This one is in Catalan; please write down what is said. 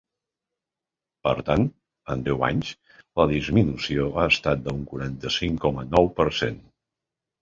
Per tant, en deu anys la disminució ha estat d’un quaranta-cinc coma nou per cent.